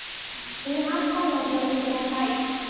急な暑さにお気をつけください。